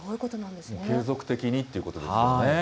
継続的にってことですよね。